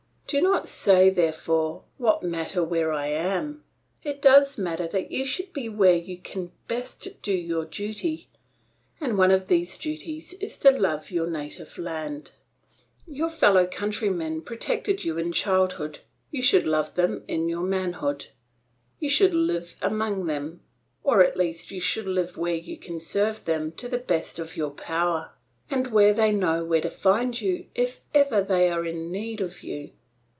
"Do not say therefore, 'What matter where I am?' It does matter that you should be where you can best do your duty; and one of these duties is to love your native land. Your fellow countrymen protected you in childhood; you should love them in your manhood. You should live among them, or at least you should live where you can serve them to the best of your power, and where they know where to find you if ever they are in need of you.